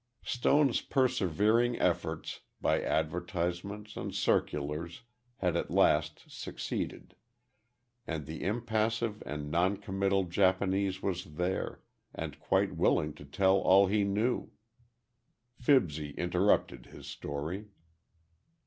Stone's persevering efforts, by advertisements and circulars had at last succeeded, and the impassive and non committal Japanese was there, and quite willing to tell all he knew. Fibsy interrupted his story.